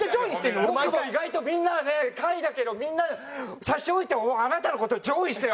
僕も意外とみんなはね下位だけどみんな差し置いてあなたの事上位にしてる！